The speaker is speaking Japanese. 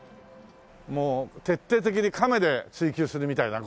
もう徹底的に亀で追求するみたいだな